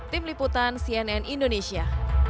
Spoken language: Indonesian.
tim liputan cnn indonesia